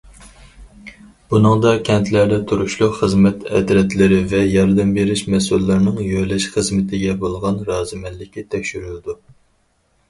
بۇنىڭدا كەنتلەردە تۇرۇشلۇق خىزمەت ئەترەتلىرى ۋە ياردەم بېرىش مەسئۇللىرىنىڭ يۆلەش خىزمىتىگە بولغان رازىمەنلىكى تەكشۈرۈلىدۇ.